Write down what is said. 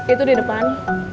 itu di depan